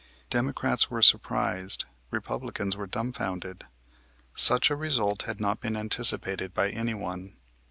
Democrats were surprised, Republicans were dumbfounded. Such a result had not been anticipated by anyone.